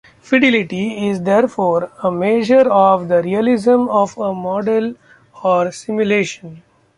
Fidelity is therefore a measure of the realism of a model or simulation.